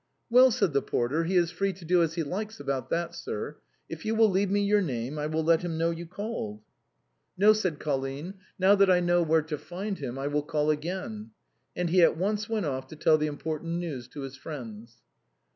" Well," said the porter, " he is free to do as he likes about that, sir. If you will leave me your name I will let him know you called." " No," said Colline, " now that I know where to find him I will call again." And he at once went off to tell the important news to his friends.